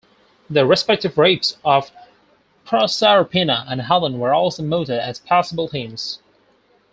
The respective rapes of Proserpina and Helen were also mooted as possible themes.